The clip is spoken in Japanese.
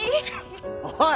おい！